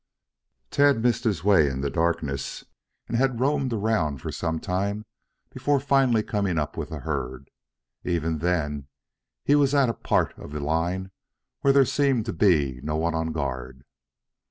Tad missed his way in the darkness, and had roamed about for some time before finally coming up with the herd. Even then he was at a part of the line where there seemed to be no one on guard.